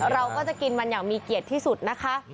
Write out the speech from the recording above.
เราก็จะกินมันอย่างมีเกียรติที่สุดนะคะ